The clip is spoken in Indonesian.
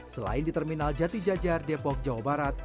selain di terminal jati jajar depok jawa barat